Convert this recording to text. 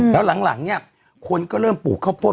แล้วหลังเนี่ยคนก็เริ่มปลูกข้าวโพด